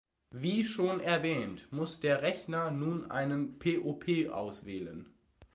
Wie schon erwähnt, muss der Rechner nun einen PoP auswählen.